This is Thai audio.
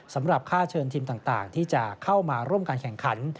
สำหรับค่าเชิญทีมต่างที่จะเข้ามาร่วมการแข่งขัน